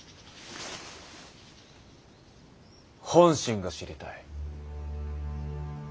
本心が知りたい。